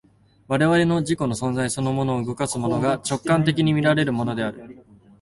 我々の自己の存在そのものを動かすものが、直観的に見られるものである。